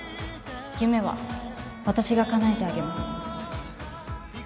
夢は私がかなえてあげます。